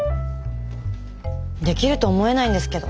できると思えないんですけど。